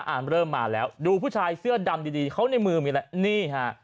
เริ่มมาแล้วดูผู้ชายเสื้อดำดีเขาในมือมีอะไรนี่ฮะ